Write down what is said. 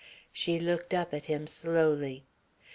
She looked up at him slowly.